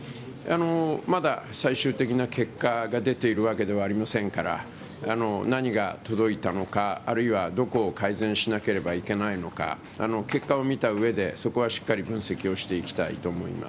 まだ最終的な結果が出ているわけではありませんから、何が届いたのか、あるいはどこを改善しなければいけないのか、結果を見たうえで、そこはしっかり分析をしていきたいと思います。